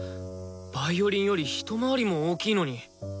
ヴァイオリンより一回りも大きいのに！